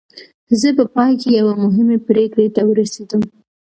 زه په پای کې یوې مهمې پرېکړې ته ورسېدم